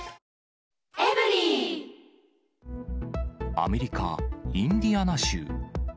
アメリカ・インディアナ州。